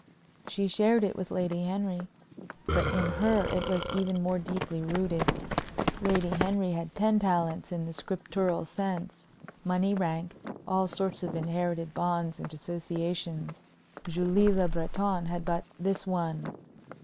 She shared it with Lady Henry, but in her it was even more deeply rooted. Lady Henry had ten talents in the Scriptural sense money, rank, all sorts of inherited bonds and associations. Julie Le Breton had but this one.